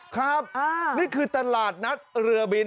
ครับนี่คือตลาดนัดเรือบิน